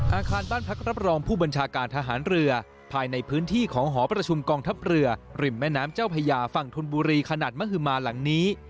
อาคารบ้านพักรับรองผู้บัญชาการทหารเรือภายในพื้นที่ของหอประชุมกองทัพเรือริมแม่น้ำเจ้าพญาฝั่งธนบุรีขนาดมหมาหลังนี้